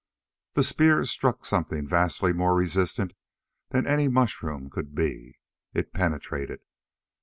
The spear struck something vastly more resistant than any mushroom could be. It penetrated.